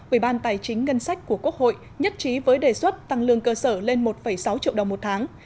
ủy ban tài chính ngân sách của quốc hội nhất trí với đề xuất tăng lương cơ sở lên một sáu triệu đồng một tháng